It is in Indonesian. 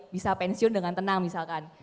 bisa pensiun dengan tenang misalkan